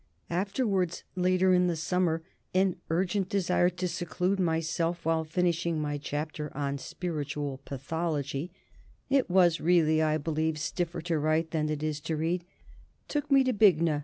Afterwards, later in the summer, an urgent desire to seclude myself, while finishing my chapter on Spiritual Pathology it was really, I believe, stiffer to write than it is to read took me to Bignor.